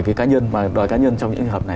cái cá nhân và đòi cá nhân trong những hợp này